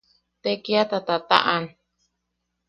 Tekiata tataʼan.